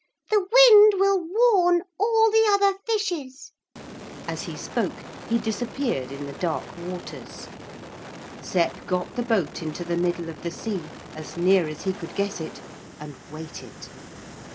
The wind will warn all the other fishes.' As he spoke he disappeared in the dark waters. Sep got the boat into the middle of the sea as near as he could guess it and waited.